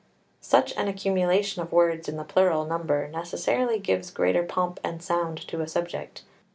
Such an accumulation of words in the plural number necessarily gives greater pomp and sound to a subject.